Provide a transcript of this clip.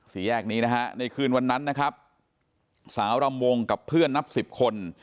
สี่แยกนี้นะฮะในคืนวันนั้นนะครับสาวรำวงกับเพื่อนนับสิบคน